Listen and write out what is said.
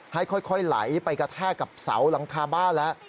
ให้ค่อยไหลไปกระแทกกับเสาหลังคาบ้านแล้ว